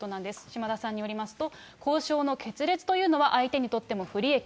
島田さんによりますと、交渉の決裂というのは、相手にとっても不利益。